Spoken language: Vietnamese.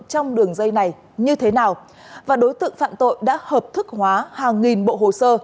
trong đường dây này như thế nào và đối tượng phạm tội đã hợp thức hóa hàng nghìn bộ hồ sơ